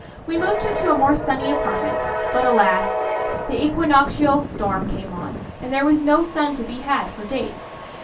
We moved him to a more sunny apartment; but, alas! the equinoctial storm came on, and there was no sun to be had for days.